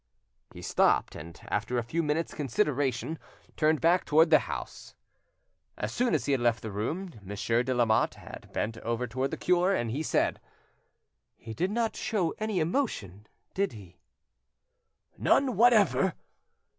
He stopped, and after a few minutes consideration turned back towards the house. As soon as he had left the room, Monsieur de Lamotte had bent over towards the cure, and had said— "He did not show any emotion, did—he?" "None whatever."